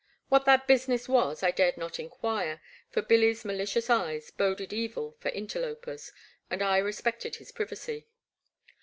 What that business was I dared not enquire, for Billy's malicious eyes boded evil for interlopers, and I respected his privacy.